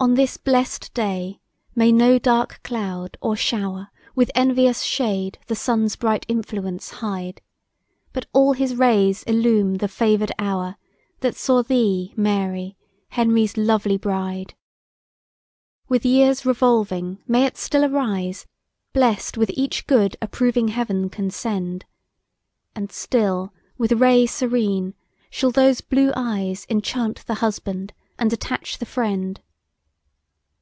ON this blest day may no dark cloud, or shower, With envious shade the Sun's bright influence hide! But all his rays illume the favour'd hour, That saw thee, Mary! Henry's lovely bride! With years revolving may it still arise, Blest with each good approving Heaven can send! And still, with ray serene, shall those blue eyes Enchant the husband, and attach the friend!